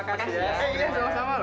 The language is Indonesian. eh enak sama lo